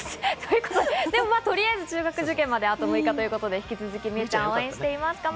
とりあえず中学受験まで、あと６日ということで引き続き、美羽ちゃん、応援しております。